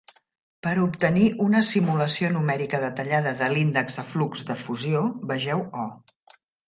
Per obtenir una simulació numèrica detallada de l'índex de flux de fusió, vegeu o.